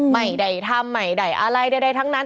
ไม่ได้ทำไม่ได้อะไรใดทั้งนั้น